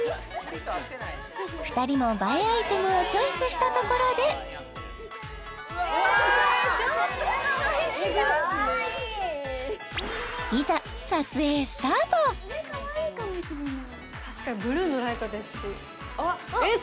２人も映えアイテムをチョイスしたところでいざこれかわいいかもしれない確かにブルーのライトですしえっ